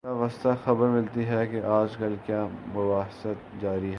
بالواسطہ خبر ملتی ہے کہ آج کل کیا مباحث جاری ہیں۔